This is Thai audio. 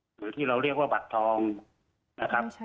หรือที่เราเรียกว่าบัตรทองนะครับ